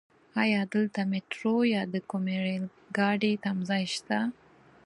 ايا دلته ميټرو يا د کومې رايل ګاډی تمځای شته؟